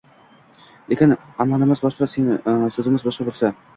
Lekin amalimiz boshqa, so‘zimiz boshqa bo‘lsa